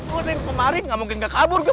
gue nih kemari gak mungkin gak kabur dek